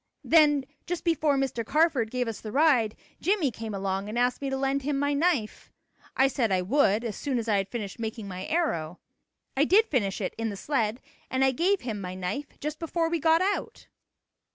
Then just before Mr. Carford gave us the ride, Jimmie came along and asked me to lend him my knife. I said I would as soon as I had finished making my arrow. I did finish it in the sled and I gave him my knife just before we got out."